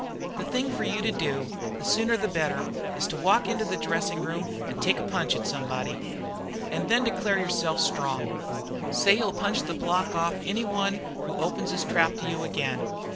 The thing for you to do, the sooner the better, is to walk into the dressing room and take a punch at somebody. And then declare yourself strong. Say you'll punch the block off any one who opens his trap to you again."